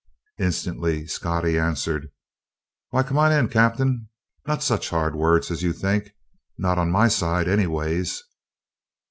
Instantly Scottie answered: "Why, come on in, captain; not such hard words as you think not on my side, anyways!"